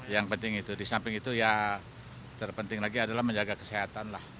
yang penting itu di samping itu ya terpenting lagi adalah menjaga kesehatan lah